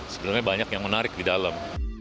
sebenarnya banyak yang menarik di dalam